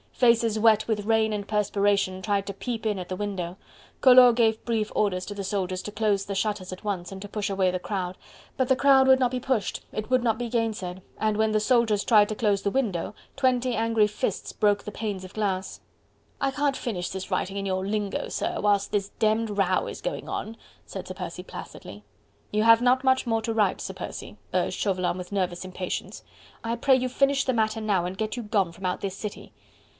Faces wet with rain and perspiration tried to peep in at the window. Collot gave brief orders to the soldiers to close the shutters at once and to push away the crowd, but the crowd would not be pushed. It would not be gainsaid, and when the soldiers tried to close the window, twenty angry fists broke the panes of glass. "I can't finish this writing in your lingo, sir, whilst this demmed row is going on," said Sir Percy placidly. "You have not much more to write, Sir Percy," urged Chauvelin with nervous impatience, "I pray you, finish the matter now, and get you gone from out this city."